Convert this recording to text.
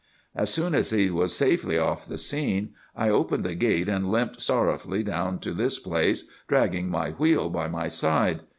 "'As soon as he was safely off the scene I opened the gate and limped sorrowfully down to this place, dragging my wheel by my side.